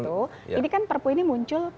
ini kan perpu ini muncul